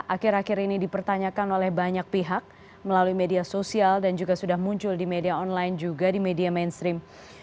akhir akhir ini dipertanyakan oleh banyak pihak melalui media sosial dan juga sudah muncul di media online juga di media mainstream